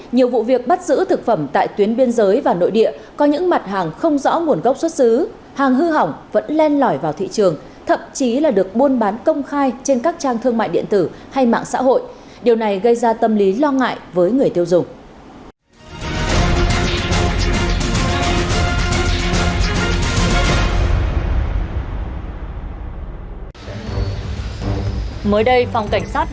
nhiều vụ việc bắt giữ thực phẩm tại tuyến biên giới và nội địa có những mặt hàng không rõ nguồn gốc xuất xứ hàng hư hỏng vẫn len lỏi vào thị trường thậm chí là được buôn bán công khai trên các trang thương mại điện tử hay mạng xã hội điều này gây ra tâm lý lo ngại với người tiêu dùng